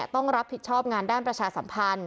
ต้องรับผิดชอบงานด้านประชาสัมพันธ์